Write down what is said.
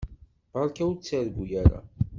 Beṛka ur ttargu ara.